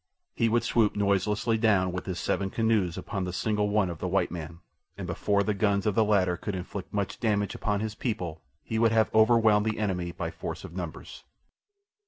He would swoop noiselessly down with his seven canoes upon the single one of the white man, and before the guns of the latter could inflict much damage upon his people he would have overwhelmed the enemy by force of numbers.